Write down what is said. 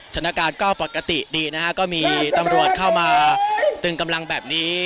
สถานการณ์ก็ปกติดีนะฮะก็มีตำรวจเข้ามาตึงกำลังแบบนี้